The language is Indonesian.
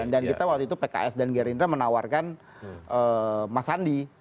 dan kita waktu itu pks dan gerindra menawarkan mas andi